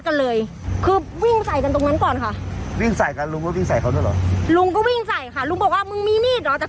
เขาด้วยเหรอลุงก็วิ่งใส่ค่ะลุงบอกว่ามึงมีนี่หรอแต่